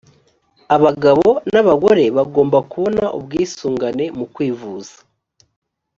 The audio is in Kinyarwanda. abagabo n’abagore bagomba kubona ubwisungane mu kwivuza